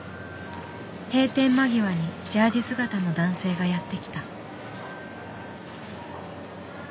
閉店間際にジャージ姿の男性がやって来た。